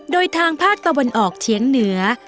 โดยทางภาคตะวันออกเฉียงเหนือ